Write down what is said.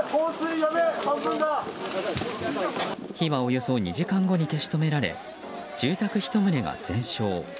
火はおよそ２時間後に消し止められ住宅１棟が全焼。